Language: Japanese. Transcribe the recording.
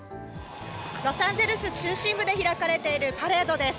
ロサンゼルス中心部で開かれているパレードです。